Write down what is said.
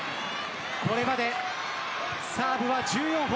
これまでサーブは１４本。